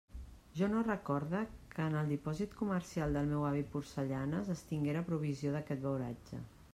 Jo no recorde que en el dipòsit comercial del meu avi Porcellanes es tinguera provisió d'aquest beuratge.